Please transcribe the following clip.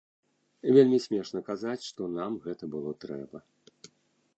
Вельмі смешна казаць, што нам гэта было трэба.